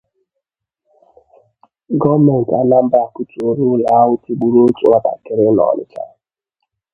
Gọọmenti Anambra akụtùóla ụlọ ahụ tigburu otù nwatakịrị n'Onịtsha